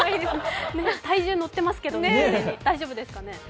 体重乗ってますけど大丈夫ですかね。